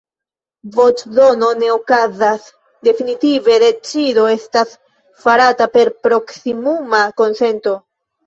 Voĉdono ne okazas, definitiva decido estas farata per proksimuma konsento.